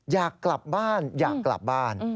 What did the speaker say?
อยากกลับบ้านอยากกลับบ้าน